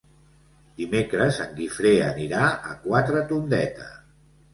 Dimecres en Guifré anirà a Quatretondeta.